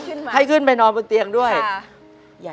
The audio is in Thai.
คุณหมอบอกว่าเอาไปพักฟื้นที่บ้านได้แล้ว